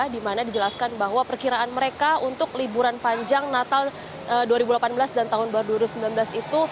di mana dijelaskan bahwa perkiraan mereka untuk liburan panjang natal dua ribu delapan belas dan tahun baru dua ribu sembilan belas itu